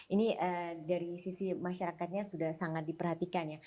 ini dari sisi masyarakatnya sudah sangat diperhatikan ya